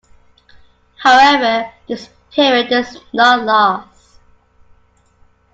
However, this period does not last.